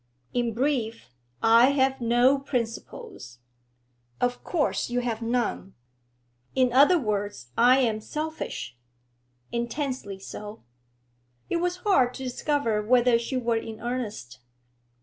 'In brief, I have no principles?' 'Of course you have none.' 'In other words, I am selfish?' 'Intensely so.' It was hard to discover whether she were in earnest.